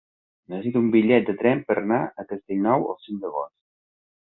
Necessito un bitllet de tren per anar a Castellnou el cinc d'agost.